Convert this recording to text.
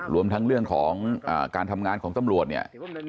ล้วนถังเรียงของการทำงานของตำรวจเนี่ย